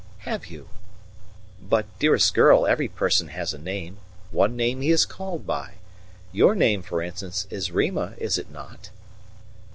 "Have you? But, dearest girl, every person has a name, one name he is called by. Your name, for instance, is Rima, is it not?"